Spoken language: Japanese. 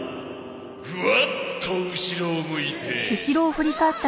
グワッと後ろを向いて。